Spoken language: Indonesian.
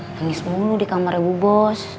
nangis mulu di kamarnya bu bos